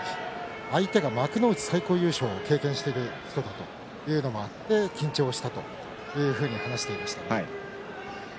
相手が幕内最高優勝を経験している人だということもあって緊張したと話していました。